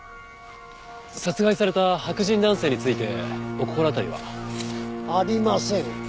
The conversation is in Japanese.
殺害された白人男性についてお心当たりは？ありません。